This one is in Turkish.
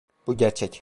Bu gerçek.